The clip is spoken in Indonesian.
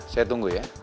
saya tunggu ya